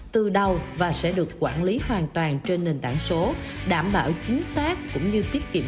từ đầu và sẽ được quản lý hoàn toàn trên nền tảng số đảm bảo chính xác cũng như tiết kiệm